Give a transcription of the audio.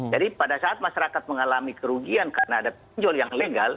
jadi pada saat masyarakat mengalami kerugian karena ada pinjol yang legal